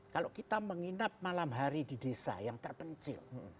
kalau kita menginap malam hari di desa yang terpencil